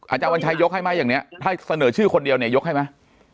อาจารย์วันชัยยกให้ไหมอย่างนี้ถ้าเสนอชื่อคนเดียวเนี่ยยกให้ไหม